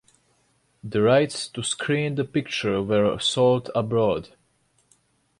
The rights to screen the picture were sold abroad.